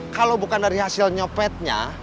kalau bukan dari hasil nyopetnya